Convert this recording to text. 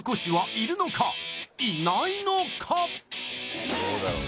いないのか？